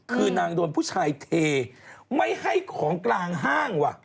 คือนางโดนผู้ชายเทไม่ให้ของกลางห้างว่ะ